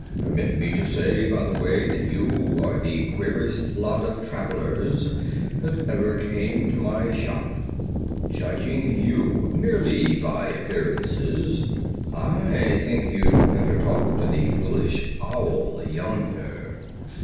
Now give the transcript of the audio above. Permit me to say, by the way, that you are the queerest lot of travelers that ever came to my shop. Judging you merely by appearances, I think you'd better talk to the Foolish Owl yonder."